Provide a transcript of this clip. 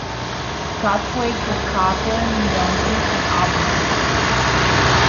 Scott played for Scotland, Dundee and Aberdeen.